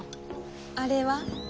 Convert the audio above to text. あれは？